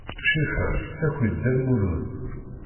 Crifa tessaki-d Dda Lmulud.